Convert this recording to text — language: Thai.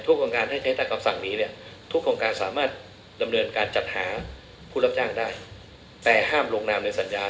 ทุกโครนการที่มีก็จะใช้ตากับสั่งนี้เนี่ยทุกกองการสามารถจำเนินการจัดหาผู้รับเศร้าได้